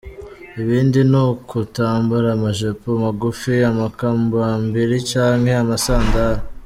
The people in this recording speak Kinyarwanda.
Ibindi ni ukutambara amajipo magufi, amakambambiri canke amasandare.